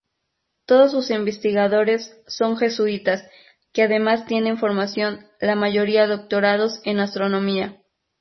Todos sus investigadores son jesuitas que además tienen formación, la mayoría doctorados, en astronomía.